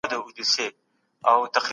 که حضوري ښوونځی لیرې وي.